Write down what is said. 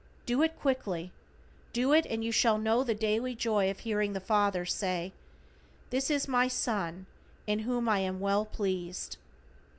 Do it quickly. Do it, and you shall know daily the joy of hearing the Father say: "This is My Son in whom I am well pleased."